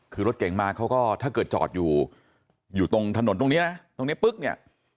คือรถเก่งมาเขาก็ถ้าเกิดจอดอยู่อยู่ตรงถนนตรงนี้นะตรงนี้ปุ๊บเนี่ย